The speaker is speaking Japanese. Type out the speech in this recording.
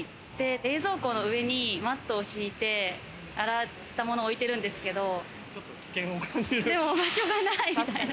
冷蔵庫の上にマットを敷いて洗ったものを置いてるんですけど、場所がない。